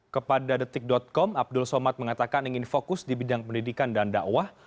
kepada detik com abdul somad mengatakan ingin fokus di bidang pendidikan dan dakwah